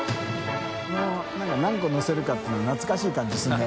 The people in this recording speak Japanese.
海何個のせるかっていうのは懐かしい感じするね。